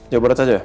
jawa barat saja